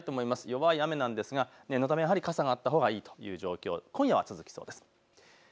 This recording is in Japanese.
弱い雨ですが、やはり傘があったほうがいいという状況、今夜まで続きそうです。